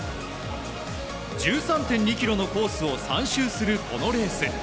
１３．２キロのコースを３周するこのレース。